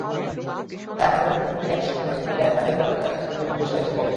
তাই আমাদের ভোটার তালিকায় পুরুষের তুলনায় নারীর সংখ্যা বেশি হওয়াই স্বাভাবিক।